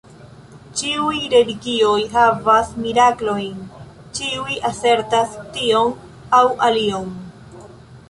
Ĉiuj religioj havas miraklojn, ĉiuj asertas tion aŭ alion.